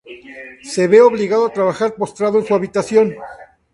Se ve obligado a trabajar postrado en su habitación.